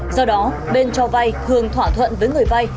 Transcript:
do đó bên cho vay thường thỏa thuận với người vay